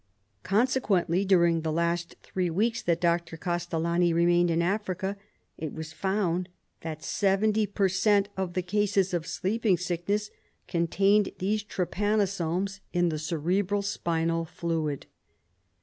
Consequently, during the last three weeks that Dr. Castellani remained in Africa, it was found that 70 per cent, of the cases of sleeping sickness contained these trypanosomes in the cerebro spinal fluid.